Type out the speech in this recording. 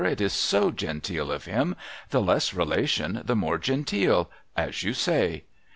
It is so genteel of him. The less relation, the more genteel. As you say.'